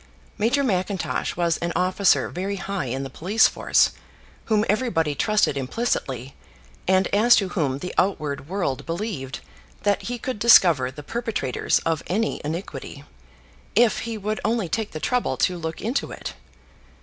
Major Mackintosh was an officer very high in the police force, whom everybody trusted implicitly, and as to whom the outward world believed that he could discover the perpetrators of any iniquity, if he would only take the trouble to look into it.